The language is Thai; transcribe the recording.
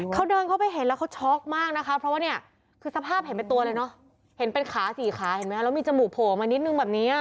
เขาเดินเข้าไปเห็นแล้วเขาช็อกมากนะคะเพราะว่าเนี่ยคือสภาพเห็นเป็นตัวเลยเนอะเห็นเป็นขาสี่ขาเห็นไหมคะแล้วมีจมูกโผล่มานิดนึงแบบนี้